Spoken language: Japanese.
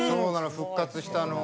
復活したの！